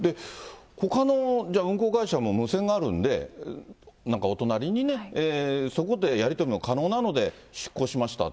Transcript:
ほかの運航会社も無線があるんで、なんかお隣にね、そこでやり取りも可能なので出航しました。